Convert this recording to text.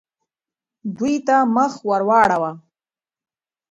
دوی ته مخ ورواړوه.